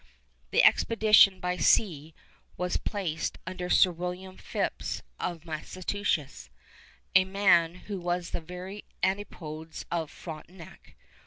The expedition by sea was placed under Sir William Phips of Massachusetts, a man who was the very antipodes of Frontenac.